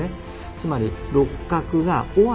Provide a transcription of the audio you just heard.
つまり六角が尾張